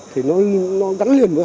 thì nó gắn liền với